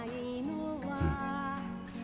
うん。